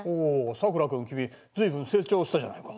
さくら君君ずいぶん成長したじゃないか。